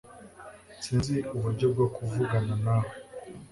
Sinzi uburyo bwo kuvugana nawe